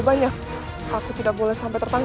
karena mereka adalah prajuriterta